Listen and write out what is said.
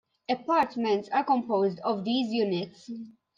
Apartments are composed of these units.